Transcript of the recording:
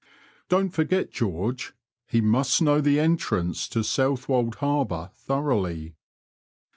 '* Don'fc forget, George ; he must know the entrance to South wold Harbour thoroughly."